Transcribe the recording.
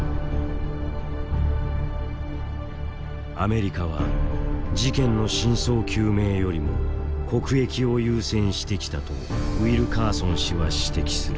アメリカは事件の真相究明よりも国益を優先してきたとウィルカーソン氏は指摘する。